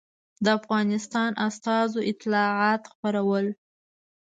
د افغانستان استازو اطلاعات خپرول.